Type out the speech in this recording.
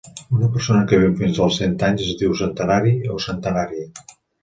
Una persona que viu fins als cent anys es diu centenari o centenària.